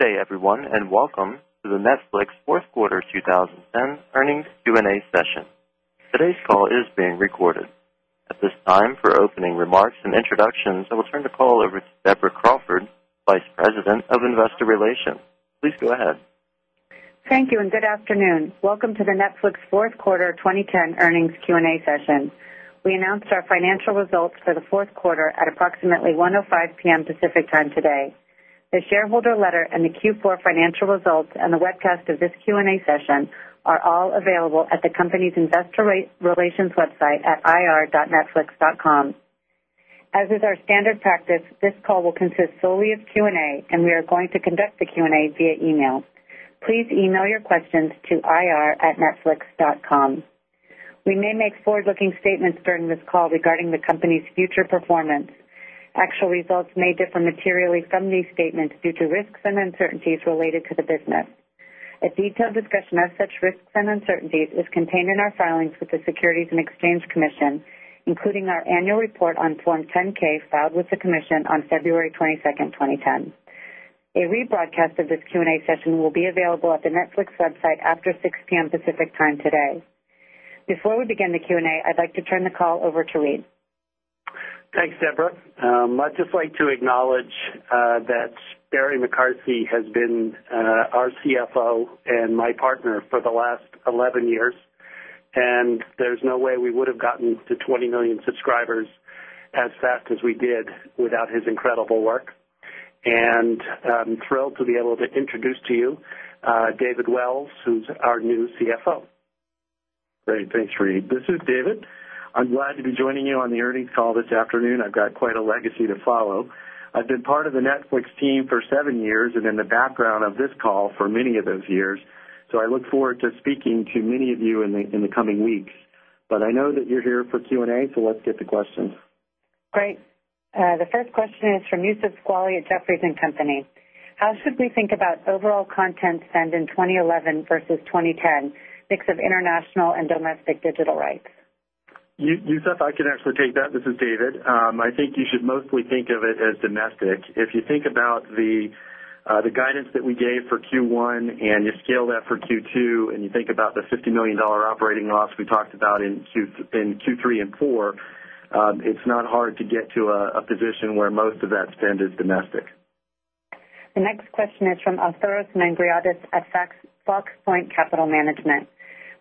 Good day, everyone, and welcome to the Netflix 4th Quarter 20 10 Earnings Q and A Session. Today's call is being recorded. At this time, for opening remarks and introductions, I will turn the call over to Deborah Crawford, Vice President of Investor Relations. Please go ahead. Thank you, and good afternoon. Welcome to the Netflix Q4 2010 earnings Q and A session. We announced our financial results for the Q4 at approximately 1:0:5 p. M. Pacific Time today. The shareholder letter and the Q4 financial results and the webcast of this Q and A session are all available at the company's Investor Relations website at ir.netflix.com. As is our standard practice, this call will consist solely of Q and A and we are going to conduct the Q and A via e mail. Please e mail your questions to irnetflix dotcom. We may make forward looking statements during this call regarding the company's future performance. Actual results may differ materially from these statements due to risks and uncertainties related to the business. A detailed discussion of such risks and uncertainties is contained in our filings with the Securities and Exchange Commission, including our annual report on Form 10 ks filed with the commission on February 22, 2010. A rebroadcast of this Q and A session will be available at the Netflix website after 6 P. M. Pacific Time today. Before we begin the Q and A, I'd like to turn the call over to Reed. Thanks, Deborah. I'd just like to acknowledge that Barry McCarthy has been our CFO and my partner for the last 11 years. And there's no way we would have gotten to 20,000,000 subscribers as fast as we did without his incredible work. And I'm thrilled to be able to introduce to you David Wells, who's our new CFO. Great. Thanks, Reed. This is David. I'm glad to be joining you on the earnings call this afternoon. I've got quite a legacy to follow. I've been part of the Netflix team for 7 years and in the background of this call for many of those years. So I look forward to speaking to many of you in the coming weeks. But I know that you're here for Q and A, so let's get the questions. Great. The first question is from Youssef Squali at Jefferies and Company. How should we think about overall content spend in 2011 versus 2010, mix of international and domestic digital rights? Youssef, I can actually take that. This is David. I think you should mostly think of it as domestic. If you think about the guidance that we gave for Q1 and you scale that for Q2 and you think about the $50,000,000 operating loss we talked about in Q3 and Q4, it's not hard to get to a position where most of that spend is domestic. The next question is from Althoras Mangriadas, FX, Fox Point Capital Management.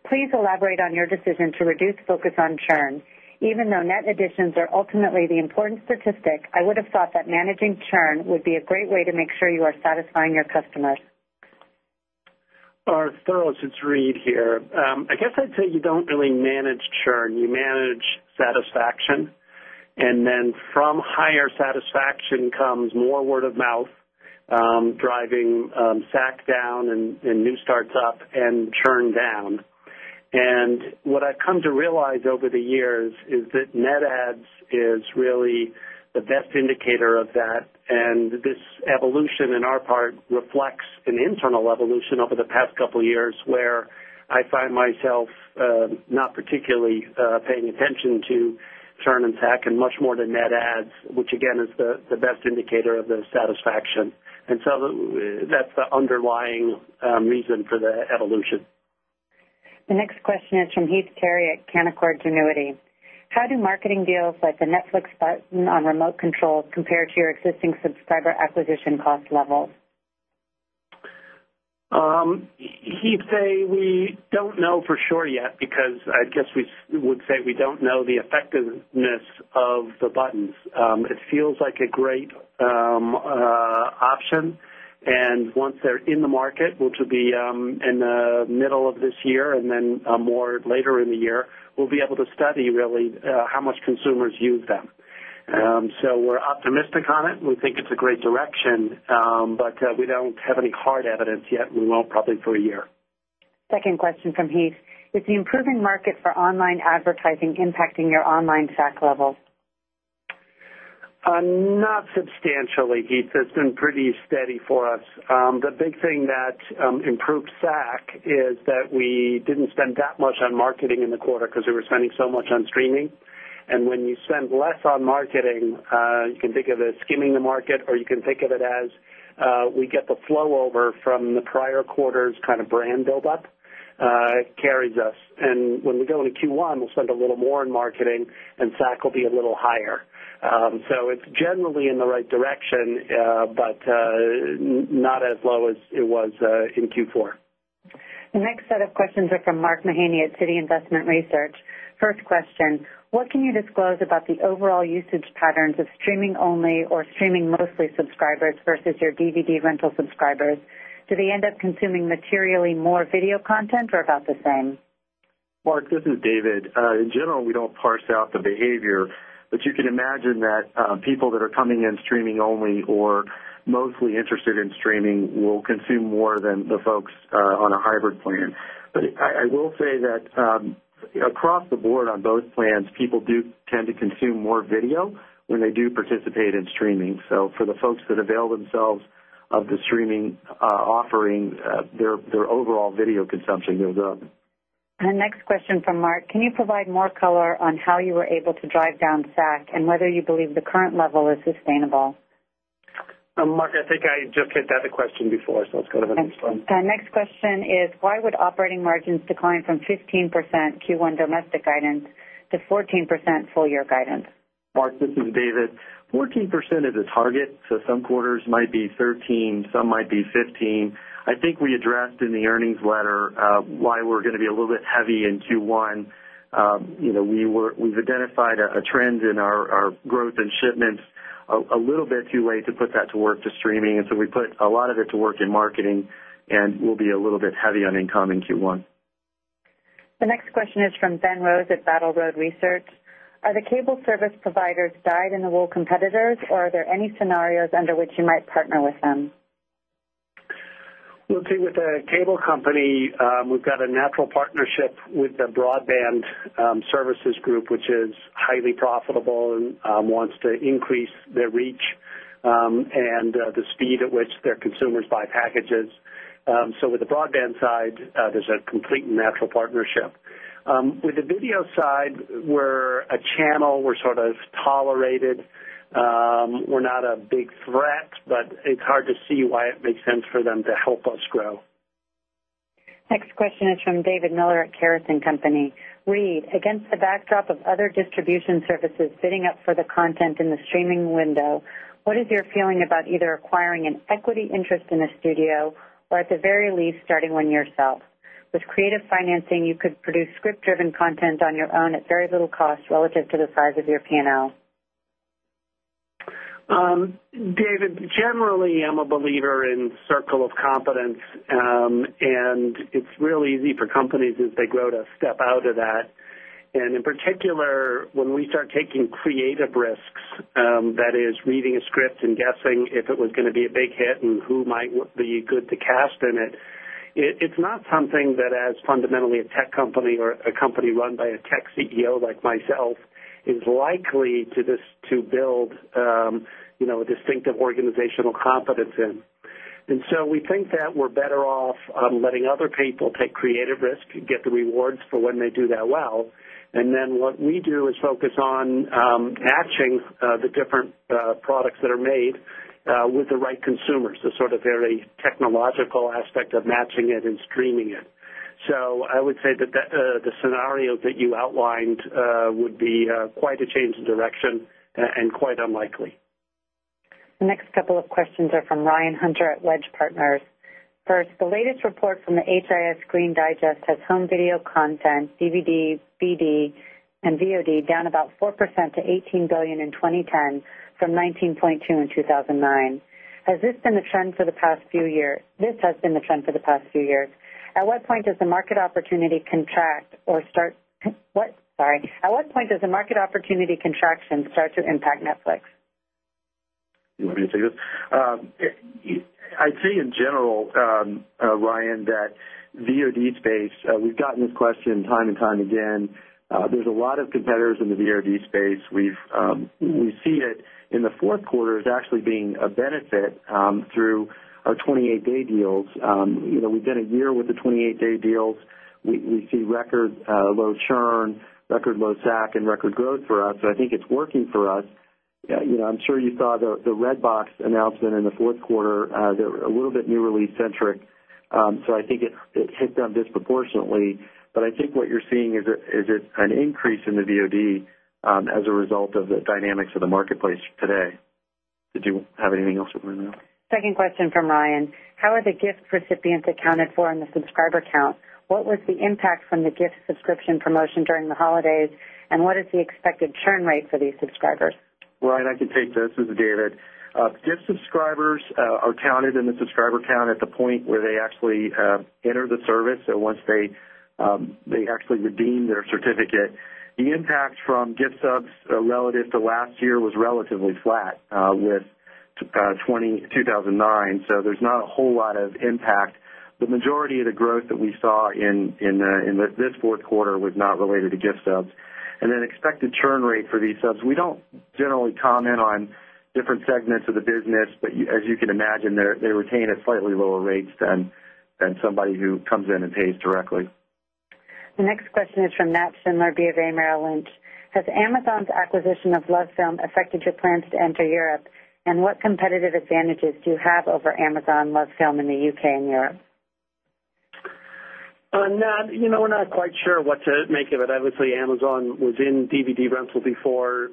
Please elaborate on your decision to reduce focus on churn. Even though net additions are ultimately the important statistic, I would thought that managing churn would be a great way to make sure you are satisfying your customers. Arthur, it's Reed here. I guess I'd say you don't really manage churn, you manage satisfaction. And then from higher satisfaction comes more word-of-mouth, driving SAC down and new starts up and churn down. And what I've come to realize over the years is that net adds is really the best indicator of that. And this evolution in our part reflects an internal evolution over the past couple of years where I find myself not particularly paying attention to churn and tack and much more to net adds, which again is the best indicator of the satisfaction. And so that's the underlying reason for the evolution. The next question is from Heath Terry at Canaccord Genuity. How do marketing deals like the Netflix button on remote control compared to your existing subscriber acquisition cost levels? He'd say we don't know for sure yet, because I guess we would say we don't know the effectiveness of the buttons. It feels like a great option. And once they're in the market, which will be in the middle of this year and then more later in the year, we'll be able to study really how much consumers use them. So we're optimistic on it. We think it's a great direction, but we don't have any hard evidence yet. We won't probably for a year. 2nd question from Heath. Is the improving market for online advertising impacting your online SAC levels? Not substantially, Heath. It's been pretty steady for us. The big thing that improved SAC is that we didn't spend that much on marketing in the quarter because we were spending so much on streaming. And when you spend less on marketing, you can think of it skimming the market or you can think of it as we get the flow over from the prior quarters kind of brand buildup, it carries us. And when we go into Q1, we'll spend a little more in marketing and SAC will be a little higher. So it's generally in the right direction, but not as low as it was in Q4. The next set of questions are from Mark Mahaney at Citi Investment Research. First question, what can you disclose about the overall usage patterns of streaming only or streaming mostly subscribers versus your DVD rental subscribers? Do they end up consuming materially more video content or about the same? Mark, this is David. In general, we don't parse out the behavior, but you can imagine that people that are coming in streaming only or mostly interested in streaming will consume more than the folks on a hybrid plan. But I will say that across the board on both plans, people do tend to consume more video when they do participate in streaming. So, for the folks that avail themselves of the streaming offering, their overall video consumption goes up. And the next question from Mark. Can you provide more color on how you were able to drive down SAC and whether you believe the current level is sustainable? Mark, I think I just hit that question before, so let's go to the next one. Next question is why would operating margins decline from 15% Q1 domestic guidance to 14% full year guidance? Mark, this is David. 14% is a target. So some quarters might be 13%, some might be 15%. I think we addressed in the earnings letter why we're going to be a little bit heavy in Q1. We've identified a trend in our growth in shipments a little bit too late to put that to work to streaming. And so we put a lot of it to work in marketing and we'll be a little bit heavy on income in Q1. The next question is from Ben Rose at Battle Road Research. Are the cable service providers dyed in the wool competitors? Or are there any scenarios under which you might partner with them? We'll see with the cable company, we've got a natural partnership with the broadband services group, which is highly profitable and wants to increase their reach and the speed at which their consumers buy packages. So with the broadband side, there's a complete and natural partnership. With the video side, we're a channel we're sort of tolerated. We're not a big threat, but it's hard to see why it makes sense for them to help us grow. Next question is from David Miller at Carris and Company. Reed, against the backdrop of other distribution services fitting up for the content in the streaming window, what is your feeling about either acquiring an equity interest in a studio or at the very least starting one yourself? With creative financing, you could produce script driven content on your own at very little cost relative to the size of your P and L. David, generally, I'm a believer in circle of competence, and it's really easy for companies as they grow to step out of that. And in particular, when we start taking creative risks, that is reading a script and guessing if it was going to be a big hit and who might be good to cast in it. It's not something that as fundamentally a tech company or a company run by a tech CEO like myself is likely to just to build distinctive organizational confidence in. And so we think that we're better off letting other people take creative risk and get the rewards for when they do that well. And then what we do is focus on matching the different products that are made with the right consumers, the sort of very technological aspect of matching it and streaming it. So I would say that the scenario that you outlined would be quite a change in direction and quite unlikely. Next couple of questions are from Ryan Hunter at Wedge Partners. First, the latest report from the HIS Green Digest has home video content, DVD, BD and VOD down about 4% to $18,000,000,000 in 2010 from $19,200,000 in 2,009. Has this been the trend for the past few years? This has been the trend for the past few years. At what point does the market opportunity contract or start what sorry, at what point does the market opportunity contraction start to impact Netflix? You want me to take this? I'd say in general, Ryan, that VOD space, we've gotten this question time and time again. There's a lot of competitors in the VOD space. We see it in the 4th quarter as actually being a benefit through our 28 day deals. We've been a year with the 28 day deals. We see record low churn, record low SAC and record growth for us. So, I think it's working for us. I'm sure you saw the Redbox announcement in the Q4. They're a little bit new release centric. So I think it ticked up disproportionately. But I think what you're seeing is an increase in the VOD as a result of the dynamics of the marketplace today. Did you have anything else with me now? 2nd question from Ryan. How are the gift recipients accounted for in the subscriber count? What was the impact from the gift subscription promotion during the holidays and what is the expected churn rate for these subscribers? Ryan, I can take this. This is David. Gift subscribers are counted in the subscriber count at the point where they actually enter the service. So once they actually redeem their certificate, the impact from gift subs relative to last year was relatively flat with 2,009. So there's not a whole lot of impact. The majority of the growth that we saw in this Q4 was not related to gift subs. And then expected churn rate for these subs, we don't generally comment on different segments of the business, but as you can imagine, they retain at slightly lower rates than somebody who comes in and pays directly. The next question is from Nat Schindler, BofA Merrill Lynch. Has Amazon's acquisition of LoveFilm affected your plans to enter Europe? And what competitive advantages do you have over Amazon LoveFilm in the UK and Europe? We're not quite sure what to make of it. Obviously, Amazon was in DVD rental before,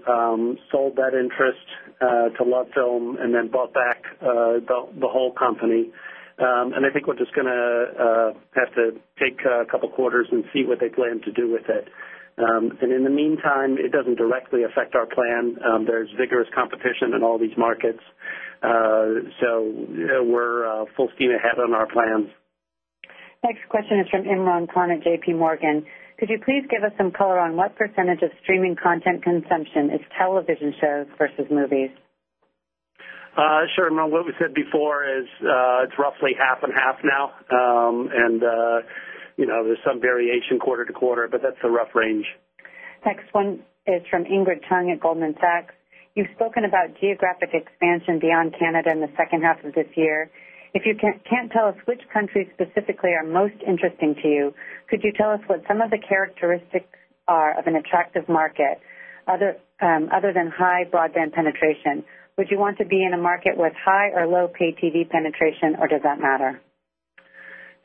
sold that interest to LoveFilm and then bought back the whole company. And I think we're just going to have to take a couple of quarters and see what they plan to do with it. And in the meantime, it doesn't directly affect our plan. There's vigorous competition in all these markets. So we're full steam ahead on our plans. Next question is from Imran Khan at JPMorgan. Could you please give us some color on what percentage of streaming content consumption is television shows versus movies? Sure. What we said before is, it's roughly half and half now. And there's some variation quarter to quarter, but that's a rough range. Next one is from Ingrid Tung at Goldman Sachs. You've spoken about geographic expansion beyond Canada in the second half of this year. If you can't tell us which countries specifically are most interesting to you, could you tell us what some of the characteristics are of an attractive market other than high broadband penetration? Would you want to be in a market with high or low pay TV penetration or does that matter?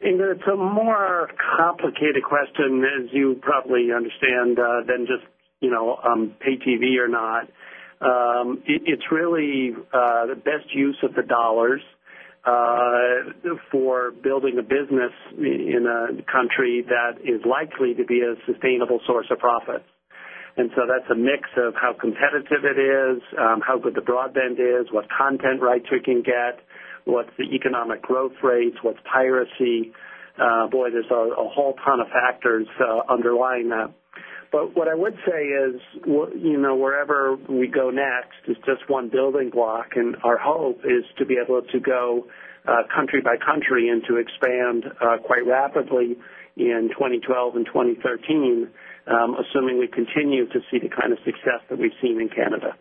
Ingrid, it's a more complicated question as you probably understand than just pay TV or not. It's really the best use of the dollars for building a business in a country that is likely to be a sustainable source of profit. And so that's a mix of how competitive it is, how good the broadband is, what content rights we can get, what's the economic growth rates, what's piracy. Boy, there's a whole ton of factors underlying that. But what I would say is wherever we go next is just one building block and our hope is to be able to go country by country and to expand quite rapidly in 20122013, assuming we continue to see the kind of success that we've seen in Canada.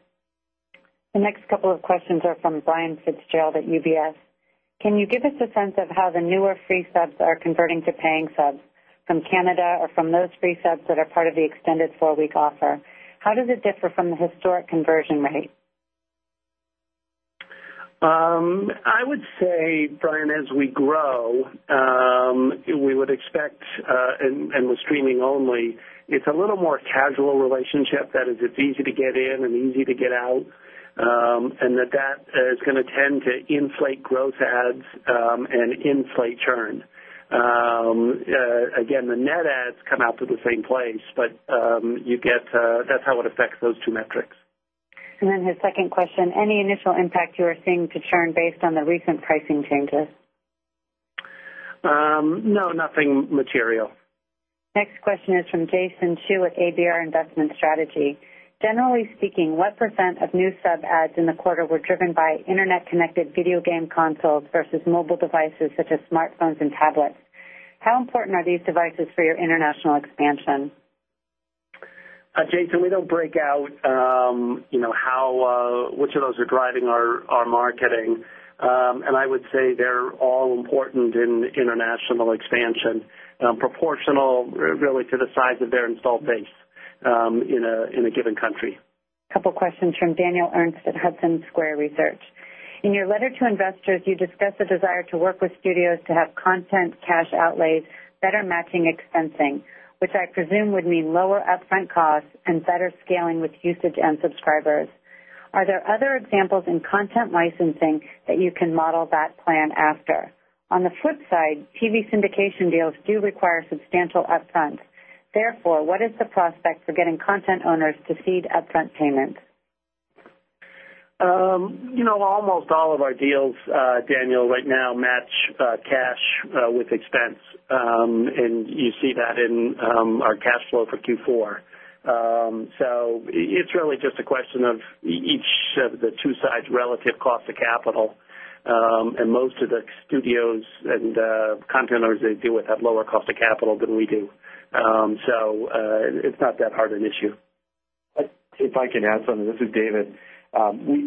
The next couple of questions are from Brian Fitzgerald at UBS. Can you give us a sense of how the newer free subs are converting to paying subs from Canada or from those free subs that are part of the extended 4 week offer? How does it differ from the historic conversion rate? I would say, Brian, as we grow, we would expect and with streaming only, it's a little more casual relationship that is it's easy to get in and easy to get out. And that is going to tend to inflate growth ads and inflate churn. Again, the net adds come out to the same place, but you get that's how it affects those two metrics. And then his second question, any initial impact you are seeing to churn based on the recent pricing changes? No, nothing material. Next question is from Jason Chu with ABR Investment Strategy. Generally speaking, what percent of new sub ads in the quarter were driven by Internet connected video game consoles versus mobile devices such as smartphones and tablets? How important are these devices for your international expansion? Jason, we don't break out how which of those are driving our marketing. And I would say they're all important in international expansion, proportional really to the size of their installed base in a given country. Couple of questions from Daniel Ernst at Hudson Square Research. In your letter to investors, you discussed a desire to work with studios to have content cash outlays, better matching expensing, which I presume would mean lower upfront costs and better scaling with usage and subscribers. Are there other examples in content licensing that you can model that plan after? On the flip side, TV syndication deals do require substantial upfront. Therefore, what is the prospect for getting content owners to feed upfront payments? Almost all of our deals, Daniel, right now match cash with expense. And you see that in our cash flow for Q4. So it's really just a question of each of the two sides relative cost of capital. And most of the studios and content owners they deal with have lower cost of capital than we do. So it's not that hard an issue. If I can add something, this is David.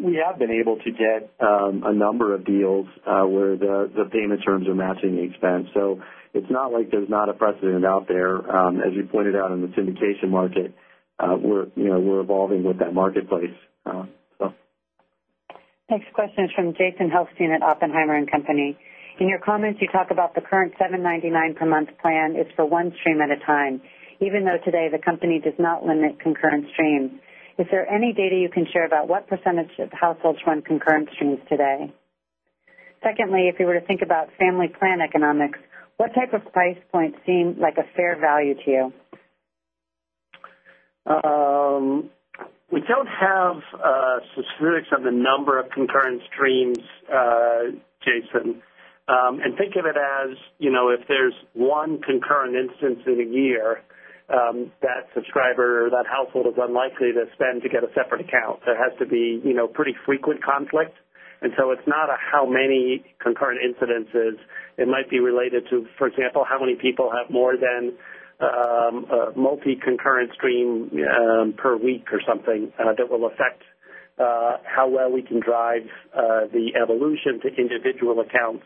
We have been able to get a number of deals where the payment terms are matching the expense. So it's not like there's not a precedent out there. As you pointed out in the syndication market, we're evolving with that marketplace. Next question is from Jason Helfstein at Oppenheimer and Company. In your comments, you talk about the current $7.99 per month plan is for 1 stream at a time, even though today the company does not limit concurrent streams. Is there any data you can share about what percentage of households run concurrent streams today? Secondly, if you were to think about family plan economics, what type of price point seems like a fair value to you? We don't have specifics of the number of concurrent streams, Jason. And think of it as if there's one concurrent instance in a year, that subscriber or that household is unlikely to spend to get a separate account. So it has to be pretty frequent conflict. And so it's not a how many concurrent incidences. It might be related to, for example, how many people have more than multi concurrent stream per week or something that will affect how well we can drive the evolution to individual accounts.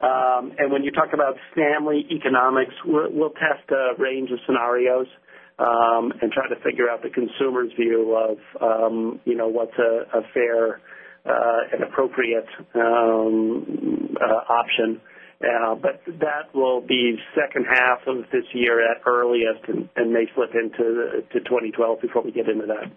And when you talk about Stanley Economics, we'll test a range of scenarios and try to figure out the consumers' view of what's a fair and appropriate option. But that will be second half of this year at earliest and may slip into 2012 before we get into that.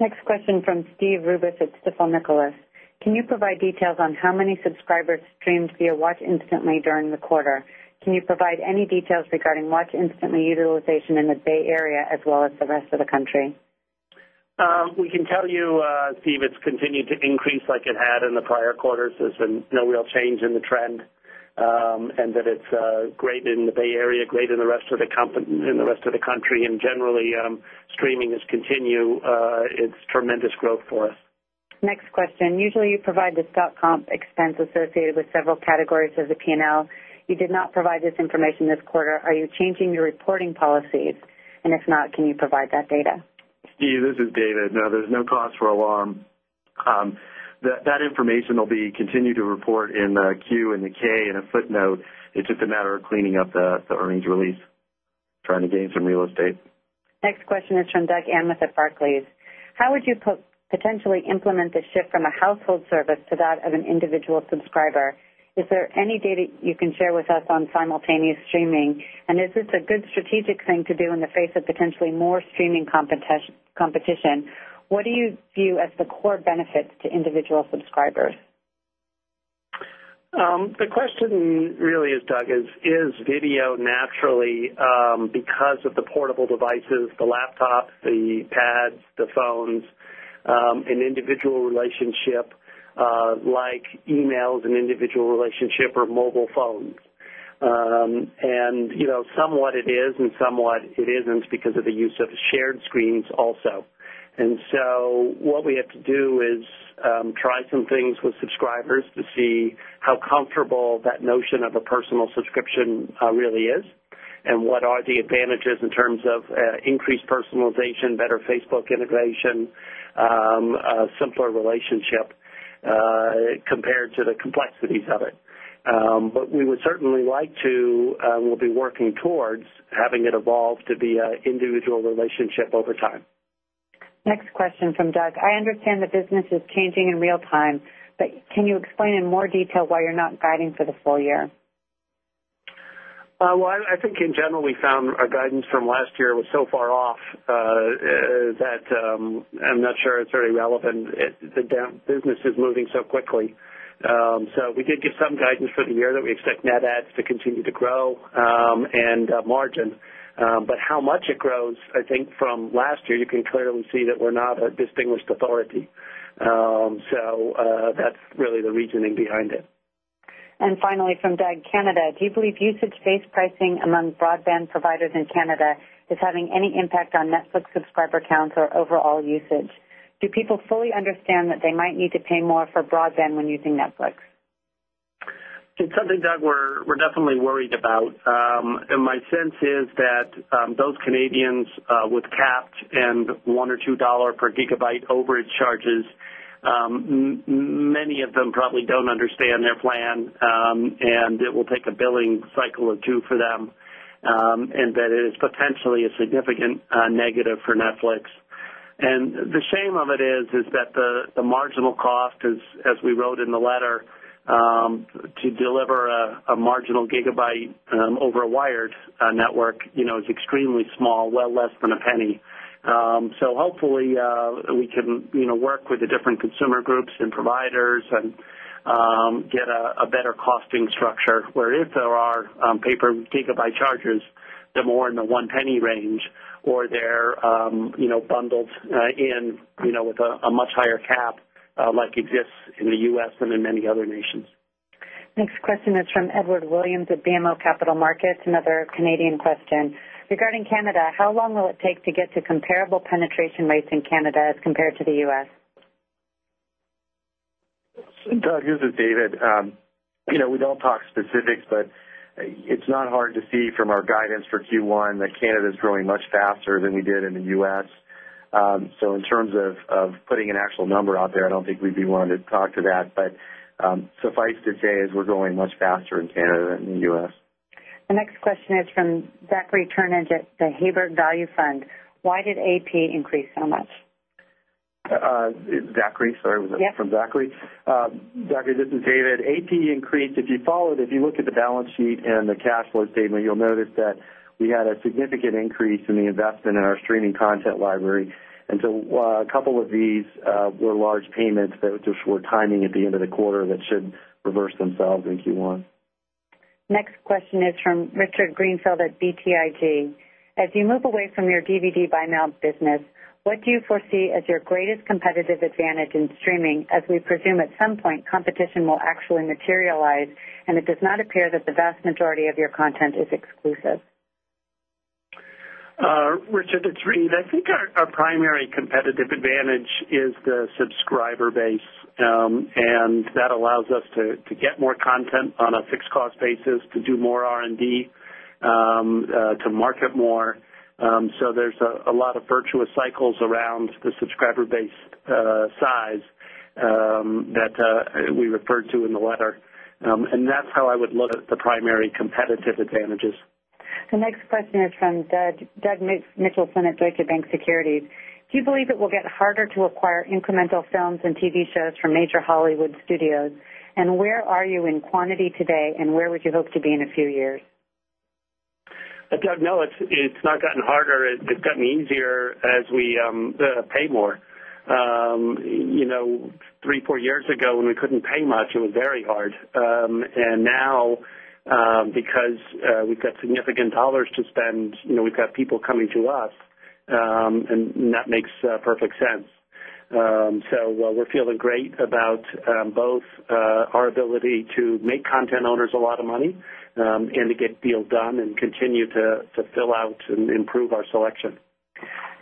Next question from Steve Rubis at Stifel Nicolaus. Can you provide details on how many subscribers streamed via Watch Instantly during the quarter? Can you provide any details regarding watch instantly utilization in the Bay Area as well as the rest of the country? We can tell you, Steve, it's continued to increase like it had in the prior quarters. There's been no real change in the trend and that it's great in the Bay Area, great in the rest of the country and generally streaming has continued, it's tremendous growth for us. Next question. Usually you provide the stock comp expense associated with several categories of the P and L. You did not provide this information this quarter. Are you changing your reporting policies? And if not, can you provide that data? Steve, this is David. No, there's no cost for alarm. That information will be continued to report in the Q and the K and a footnote. It's just a matter of cleaning up the earnings release, trying to gain some real estate. Next question is from Doug Anmuth at Barclays. How would you potentially implement the shift from a household service to that of an individual subscriber? Is there any data you can share with us on simultaneous streaming? And is this a good strategic thing to do in the face of potentially more streaming competition? What do you view as the core benefits to individual subscribers? The question really is, Doug, is video naturally because of the portable devices, the laptop, the pads, the phones, an individual relationship like emails and individual relationship or mobile phones. And somewhat it is and somewhat it isn't because of the use of shared screens also. And so what we have to do is try some things with subscribers to see how comfortable that notion of a personal subscription really is and what are the advantages in terms of increased personalization, better Facebook integration, simpler relationship compared to the complexities of it. But we would certainly like to we'll be working towards having it evolve to be an individual relationship over time. Next question from Doug. I understand the business is changing in real time, but can you explain in more detail why you're not guiding for the full year? Well, I think in general, we found our guidance from last year was so far off that I'm not sure it's very relevant. The business is moving so quickly. So we did give some guidance for the year that we expect net adds to continue to grow and margin. But how much it grows, I think from last year, you can clearly see that we're not a distinguished authority. So that's really the reasoning behind it. And finally from Doug, Canada, do you believe usage based pricing among broadband providers in Canada is having any impact on Netflix subscriber counts or overall usage? Do people fully understand that they might need to pay more for broadband when using Netflix? It's something, Doug, we're definitely worried about. And my sense is that those Canadians with capped and $1 or $2 per gigabyte overage charges, many of them probably don't understand their plan and it will take a billing cycle of 2 for them. And that is potentially a significant negative for Netflix. And the shame of it is, is that the marginal cost is, as we wrote in the letter, to deliver a marginal gigabyte over a wired network is extremely small, well less than a penny. So hopefully, we can work with the different consumer groups and providers and get a better costing structure, where if there are paper gigabyte charges, they're more in the $0.01 range or they're bundled in with a much higher cap like exists in the U. S. And in many other nations. Next question is from Edward Williams of BMO Capital Markets. Another Canadian question. Regarding Canada, how long will it take to get to comparable penetration rates in Canada as compared to the U. S? Doug, this is David. We don't talk specifics, but it's not hard to see from our guidance for Q1 that Canada is growing much faster than we did in the U. S. So in terms of putting an actual number out there, I don't think we'd be willing to talk to that. But suffice to say is we're growing much faster in Canada than in the U. S. The next question is from Zachary Turnage at the Hebert Value Fund. Why did AP increase so much? Zachary, sorry, was that from Zachary? Yes. Zachary, this is David. AP increased, if you followed, if you look at the balance sheet and the cash flow statement, you'll notice that we had a significant increase in the investment in our streaming content library. And so a couple of these were large payments that were just short timing at the end of the quarter that should reverse themselves in Q1. Next question is from Richard Greenfield at BTIG. As you move away from your DVD by mail business, what do you foresee as your greatest competitive advantage in streaming as we presume at some point competition will actually materialize and it does not appear that the vast majority of your content is exclusive? Richard, it's Reed. I think our primary competitive advantage is the subscriber base, and that allows us to get more content on a fixed cost basis to do more R and D, to market more. So there's a lot of virtuous cycles around the subscriber base size that we referred to in the letter. And that's how I would look at the primary competitive advantages. The next question is from Doug Mitchelson at Deutsche Bank Securities. Do you believe it will get harder to acquire incremental films and TV shows from major Hollywood studios? And where are you in quantity today? And where would you hope to be in a few years? Doug, no, it's not gotten harder. It's gotten easier as we pay more. 3, 4 years ago, when we couldn't pay much, it was very hard. And now, because we've got significant dollars to spend, we've got people coming to us, and that makes perfect sense. So we're feeling great about both our ability to make content owners a lot of money and to get deals done and continue to fill out and improve our selection.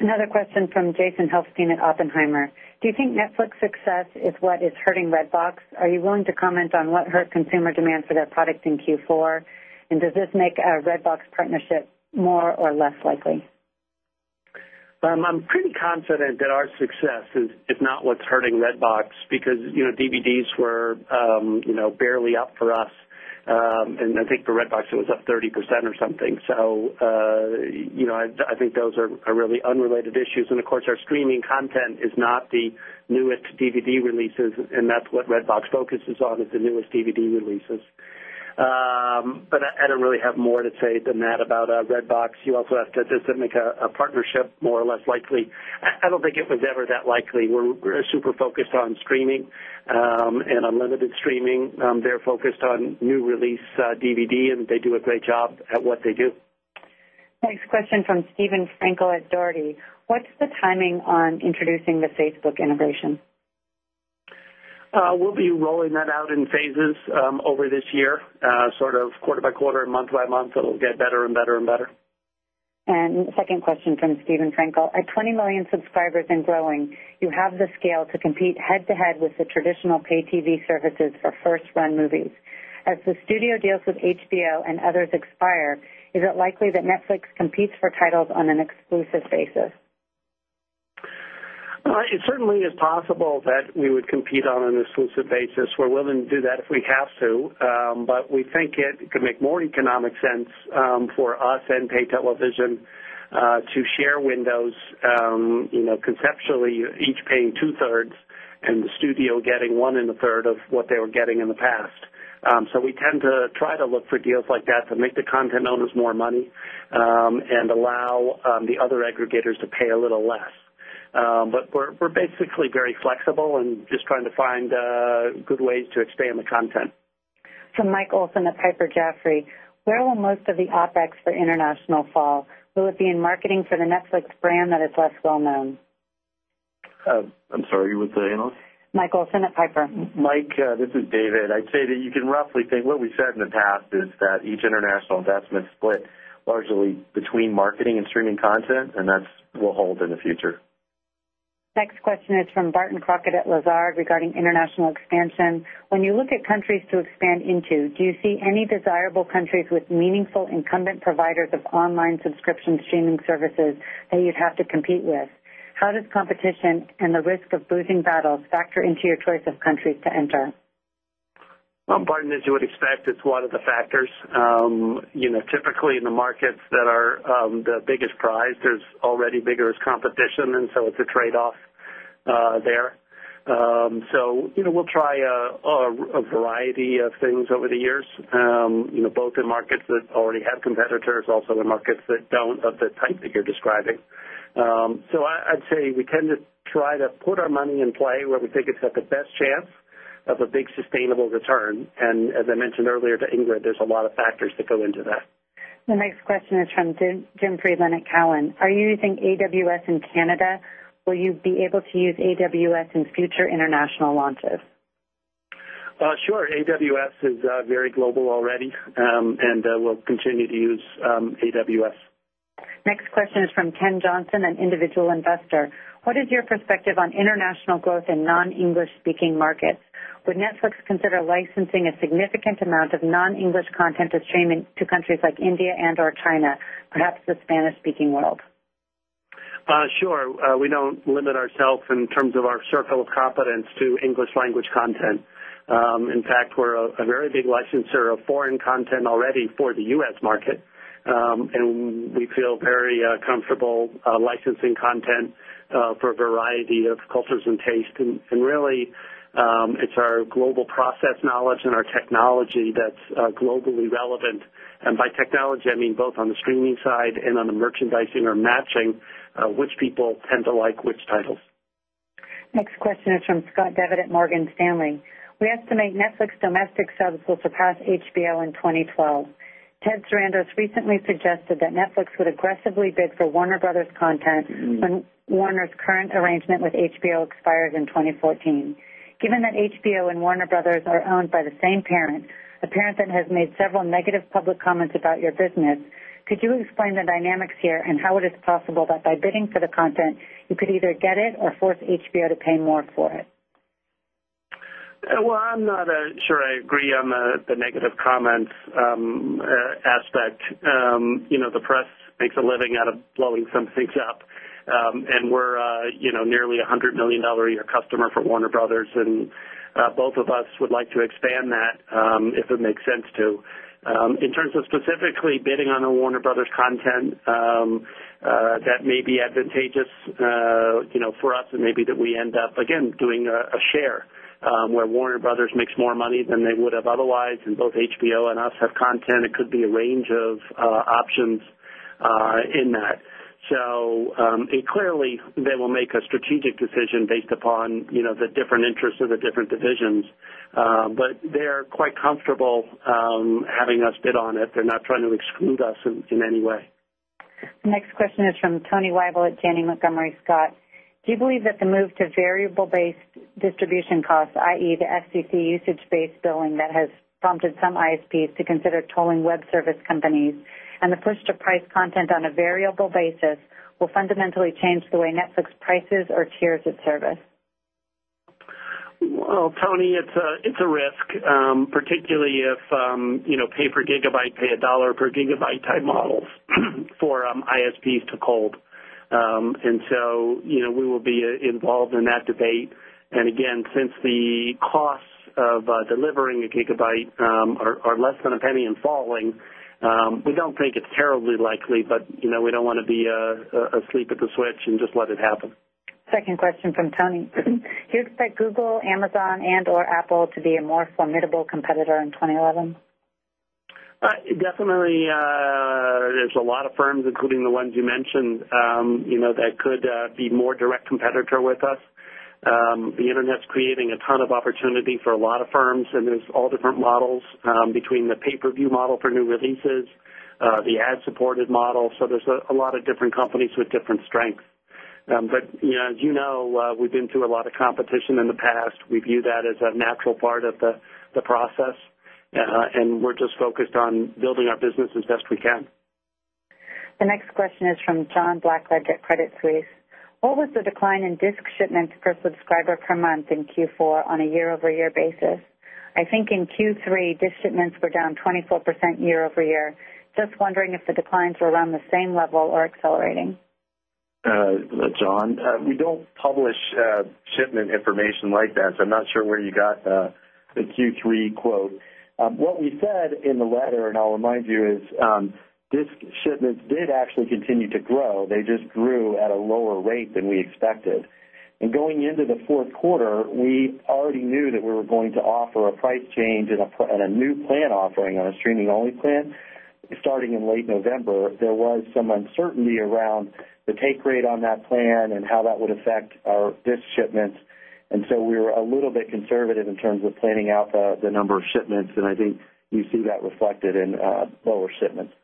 Another question from Jason Helfstein at Oppenheimer. Do you think Netflix success is what is hurting Red Box? Are you willing to comment on what hurt consumer demand for their products in Q4? And does this make our Red Box partnership more or less likely? I'm pretty confident that our success is not what's hurting Red Box because DVDs were barely up for us. And I think for Redbox it was up 30% or something. So I think those are really unrelated issues. And of course, our streaming content is not the newest DVD releases and that's what Red Box focuses on is the newest DVD releases. But I don't really have more to say than that about Redbox. You also have to make a partnership more or less likely. I don't think it was ever that likely. We're super focused on streaming and unlimited streaming. They're focused on new release DVD and they do a great job at what they do. Next question from Steven Frankel at Dougherty. What's the timing on introducing the Facebook integration? We'll be rolling that out in phases over this year, sort of quarter by quarter and month by month, so it'll get better and better and better. And second question from Steven Frankel. At 20,000,000 subscribers and growing, you have the scale to compete head to head with the traditional pay TV services for 1st run movies. As the studio deals with HBO and others expire, is it likely that Netflix competes for titles on an exclusive basis? It certainly is possible that we would compete on an exclusive basis. We're willing to do that if we have to, but we think it could make more economic sense for us and Pay Television to share windows conceptually each paying 2 thirds and the studio getting 1 and a third of what they were getting in the past. So we tend to try to look for deals like that to make the content owners more money and allow the other aggregators to pay a little less. But we're basically very flexible and just trying to find good ways to expand the content. From Mike Olson to Piper Jaffray. Where will most of the OpEx for international fall? Will it be in marketing for the Netflix brand that is less well known? I'm sorry, you were saying that? Michael, send it, Piper. Mike, this is David. I'd say that you can roughly think what we said in the past is that each international investment split largely between marketing and streaming content and that's will hold in the future. Next question is from Barton Crockett at Lazard regarding international expansion. When you look at countries to expand into, do you see any desirable countries with meaningful incumbent providers of online subscription streaming services that you'd have to compete with? Does competition and the risk of boozing battles factor into your choice of countries to enter? Well, Martin, as you would expect, it's one of the factors. Typically, in the markets that are the biggest prize, there's already vigorous competition and so it's a trade off there. So we'll try a variety of things over the years, both in markets that already have competitors, also in markets that don't of the type that you're describing. So, I'd say we tend to try to put our money in play where we think it's at the best chance of a big sustainable return. And as I mentioned earlier to Ingrid, there's a lot of factors that go into that. The next question is from Jim Friedman at Cowen. Are you using AWS in Canada? Will you be able to use AWS in future international launches? Sure. AWS is very global already, and we'll continue to use AWS. Next question is from Ken Johnson, an individual investor. What is your perspective on international growth in non English speaking markets? Would Netflix consider licensing a significant amount of non English content to stream into countries like India and or China, perhaps the Spanish speaking world? Sure. We don't limit ourselves in terms of our circle of competence to English language content. In fact, we're a very big licensor of foreign content already for the U. S. Market, and we feel very comfortable licensing content for a variety of cultures and taste. And really, it's our global process knowledge and our technology that's globally relevant. And by technology, I mean, both on the Morgan Stanley. We estimate Netflix domestic subs will surpass HBO in 2012. Ted Sarandos recently suggested that Netflix would aggressively bid for Warner Brothers content when Warner's current arrangement with HBO expired in 2014. Given that HBO and Warner Brothers are owned by the same parent, a parent that has made several negative public comments about your business, could you explain the dynamics here and how it is possible that by bidding for the content, you could either get it or force HBO to pay more for it? Well, I'm not sure I agree on the negative comments aspect. The press makes a living out of blowing some things up. And we're nearly $100,000,000 a year customer for Warner Brothers and both of us would like to expand that, if it makes sense to. In terms of specifically bidding on a Warner Brothers content that may be advantageous for us and maybe that we end up again doing a share where Warner Brothers makes more money than they would have otherwise and both HBO and us have content. It could be a range of options in that. So, clearly, they will make a strategic decision based upon the different interests of the different divisions. Do you believe that the move to variable based distribution costs, I. E. Do you believe that the move to variable based distribution costs, I. E, the FCC usage based billing that has prompted some ISPs to consider tolling web service companies and the push to price content on a variable basis will fundamentally change the way Netflix prices or tiers its service? Tony, it's a risk, particularly if pay per gigabyte, pay $1 per gigabyte type models for ISPs to cold. And so we will be involved in that debate. And again, since the costs of delivering a gigabyte are less than a $0.01 in falling, we don't think it's terribly likely, but we don't want to be asleep at the switch and just let it happen. 2nd question from Tony. Do you expect Google, Amazon and or Apple to be a more formidable competitor in 2011? Definitely, there's a lot of firms, including the ones you mentioned, that could be more direct competitor with us. The Internet is creating a ton of opportunity for a lot of firms and there's all different models between the pay per view model for new releases, the ad supported model. So there's a lot of different companies with different strengths. But as you know, we've been through a lot of competition in the past. We view that as a natural part of the process, and we're just focused on building our business as best we can. The next question is from John Blackledge at Credit Suisse. What was the decline in disc shipments per subscriber per month in Q4 on a year over year basis? I think in Q3, DISH shipments were down 24% year over year. Just wondering if the declines were around the same level or accelerating? John, we don't publish shipment information like that. So I'm not sure where you got the Q3 quote. What we said in the letter and I'll remind you is, this shipments did actually continue to grow. They just grew at a lower rate than we expected. And going into the Q4, we already knew that we were going to offer a price change and a new plan offering on a streaming only plan. Starting in late November, there was some uncertainty around the take rate on that plan and how that would affect our BIS shipments. And so we were a little bit conservative in terms of planning out the number of shipments and I think you see that reflected in lower shipments.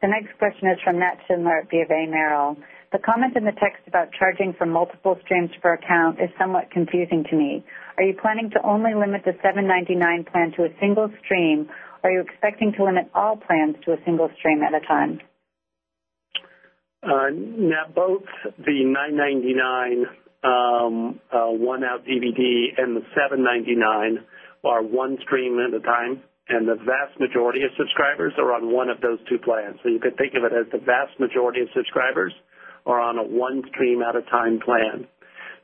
The next question is from Matt Schindler at BofA Merrill. The comment in the text about charging for multiple streams per account is somewhat confusing to me. Are you planning to only limit the $7.99 plan to a single stream? Are you expecting to limit all plans to a single stream at a time? Now both the $9.99, 1 out DVD and the $7.99 are one stream at a time and the vast majority of subscribers are on one of those two plans. So you could think of it as the vast majority of subscribers are on a one stream at a time plan.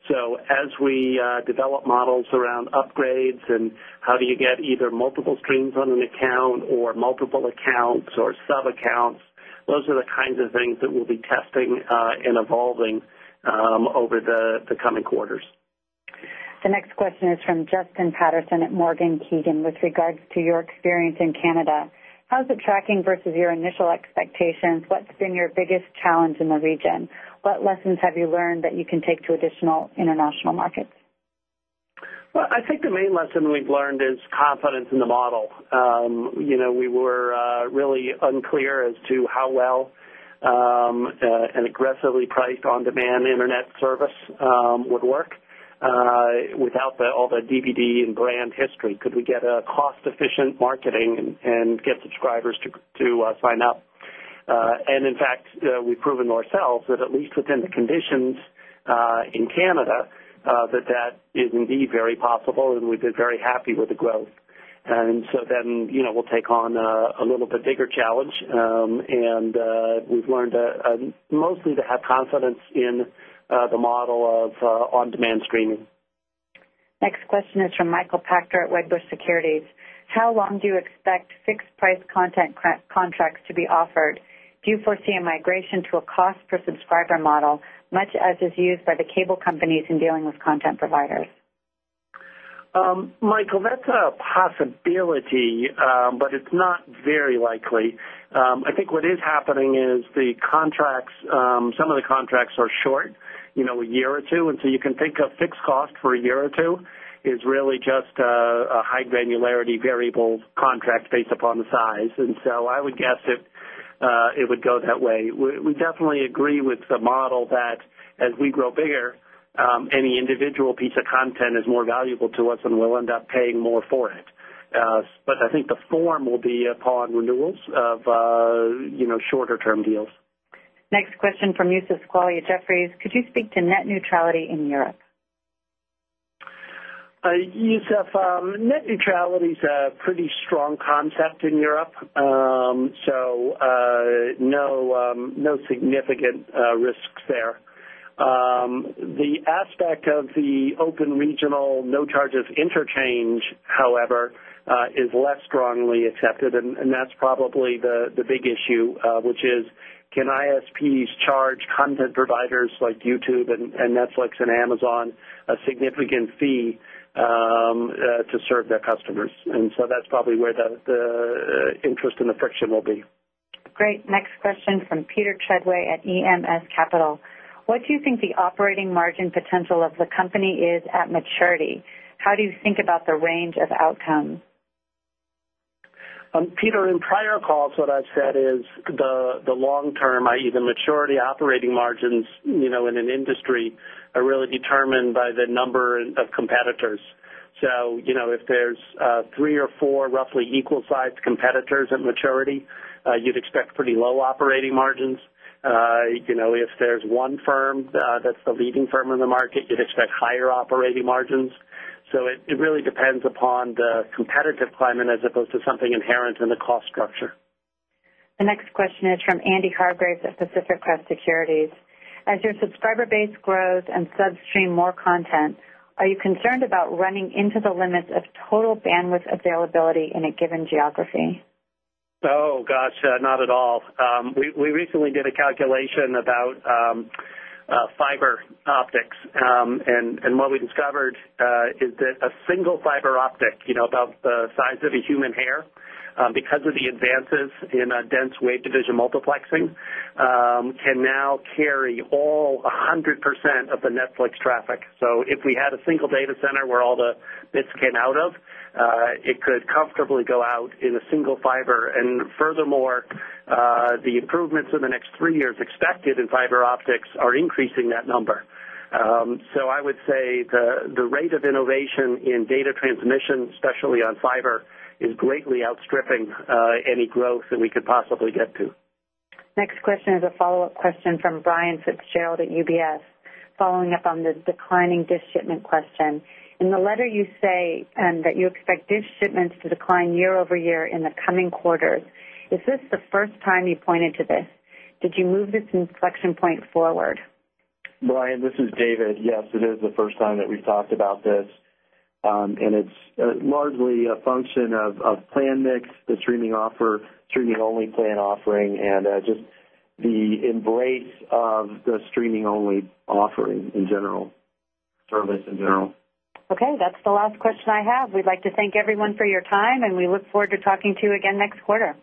So as we develop models around upgrades and how do you get either multiple streams on an account or multiple accounts or sub accounts, those are the kinds of things that we'll be testing and evolving over the coming quarters. The next question is from Justin Patterson at Morgan Kiegen with regards to your experience in Canada. How is it tracking versus your initial expectations? What's been your biggest challenge in the region? What lessons have you learned that you can take to additional international markets? Well, I think the main lesson we've learned is confidence in the model. We were really unclear as to how well an aggressively priced on demand Internet service would work without all the DVD and brand history. Could we get a cost efficient marketing and get subscribers to sign up. And in fact, we've proven ourselves that at least within the conditions in Canada that that is indeed very possible and we've been very happy with the growth. And so then we'll take on a little bit bigger challenge and we've learned mostly to have confidence in the model of on demand streaming. Next question is from Michael Pachter at Wedbush Securities. How long do you expect fixed price content contracts to be offered? You foresee a migration to a cost per subscriber model, much as is used by the cable companies in dealing with content providers? Michael, that's a possibility, but it's not very likely. I think what is happening is the contracts, some of the contracts are short a year or 2. And so you can think of fixed cost for a year or 2 is really just a high granularity variable contract based upon the size. And so I would guess it would go that way. We definitely agree with the model that as we grow bigger, any individual piece of content is more valuable to us and we'll end up paying more for it. But I think the form will be upon renewals of shorter term deals. Next question from Youssef Squali, Jefferies. Could you speak to net neutrality in Europe? Youssef, net neutrality is a pretty strong concept in Europe. So no significant risks there. The aspect of the open regional no charges inter change, however, is less strongly accepted and that's probably the big issue, which is can ISPs charge content providers like YouTube and Netflix and Amazon a significant fee to serve their customers. And so that's probably where the interest and the friction will be. Great. Next question from Peter Treadway at EMS Capital. What do you think the operating margin potential of the company is at maturity? How do you think about the range of outcomes? Peter, in prior calls, what I've said is the long term, I. E. The maturity operating margins in an industry are really determined by the number of competitors. So, if there's 3 or 4 roughly equal sized competitors at maturity, you'd expect pretty low operating margins. If there's one firm that's the leading firm in the market, you'd expect higher operating margins. So it really depends upon the competitive climate as opposed to something inherent in the cost structure. The next question is from Andy Hargreaves at Pacific Crest Securities. As your subscriber base grows and substream more content, are you concerned about running into the limits of total bandwidth availability in a given geography? Oh, gosh, not at all. We recently did a calculation about fiber optics. And what we discovered is that a single fiber optic, about the size of a human hair, because of the advances in dense weight division multiplexing, can now carry all 100% of the Netflix traffic. So if we had a single data center where all the bits came out of, it could comfortably go out in a single fiber. And furthermore, the improvements in the 3 years expected in fiber optics are increasing that number. So I would say the rate of innovation in data transmission, especially on fiber is greatly outstripping any growth that we could possibly get to. Next question is a follow-up question from Brian Fitzgerald at UBS, following up on the declining dish shipment question. In the letter you say that you expect dish shipments to decline year over year in the coming quarters. Is this the first time you pointed to this? Did you move this inflection point forward? Brian, this is David. Yes, it is the first time that we've talked about this. And it's largely a function of plan mix, the streaming offer, streaming only plan offering and just the embrace of the streaming only offering in general service in general. Okay. That's the last question I have. We'd like to thank everyone for your time and we look forward to talking to you again next quarter.